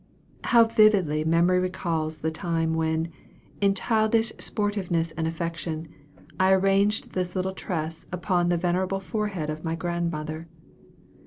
How vividly memory recalls the time when, in childish sportiveness and affection, I arranged this little tress upon the venerable forehead of my grandmother!